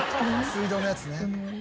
水道のやつね。